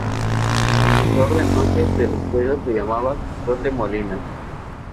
El profesor de entonces en la escuela se llamaba Cote Molina.